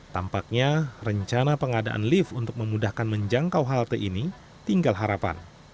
tampaknya rencana pengadaan lift untuk memudahkan menjangkau halte ini tinggal harapan